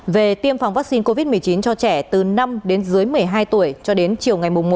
về tiêm phòng vaccine covid một mươi chín cho trẻ từ năm đến dưới một mươi hai tuổi cho đến chiều ngày một